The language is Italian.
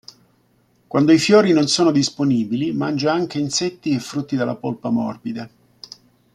Quando i fiori non sono disponibili, mangia anche insetti e frutti dalla polpa morbida.